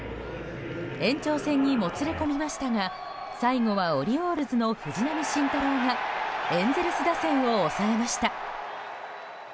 延長戦にもつれ込みましたが最後はオリオールズの藤浪晋太郎がエンゼルス打線を抑えました。